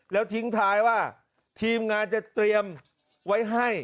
แล้วทิ้งท้ายว่าทีมงานจะเตรียมไว้ให้